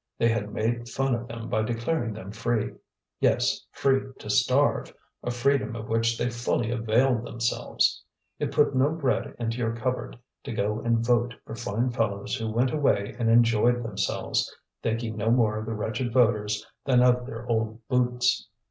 They had made fun of them by declaring them free. Yes, free to starve, a freedom of which they fully availed themselves. It put no bread into your cupboard to go and vote for fine fellows who went away and enjoyed themselves, thinking no more of the wretched voters than of their old boots.